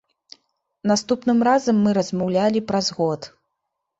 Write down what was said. Наступным разам мы размаўлялі праз год.